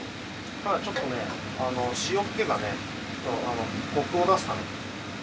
はいちょっとね塩気がねコクを出すために。